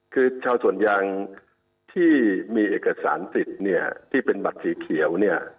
คือชาวส่วนยางที่มีเอกสารสิทธิ์ที่เป็นบัตรสีเขียว